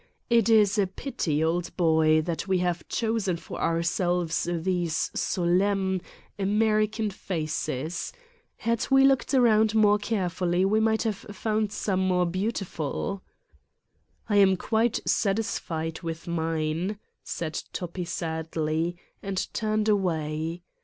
It is a pity, old boy, that we have chosen for ourselves these solemn, American faces: had we looked around more carefully we might have found some more beau tiful." * "I am quite satisfied with mine," said Toppi sadly, and turned away.